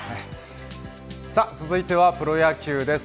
続いてはプロ野球です。